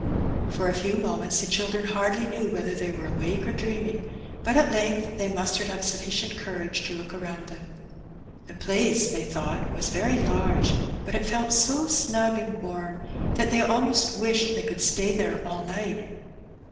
For a few moments the children hardly knew whether Ihey were awake or dreaming; but at length they mustered up sufficient courage to look around them. The place they thought was very large, but it felt so mug and warm that they almost wished they could stay lihere all night.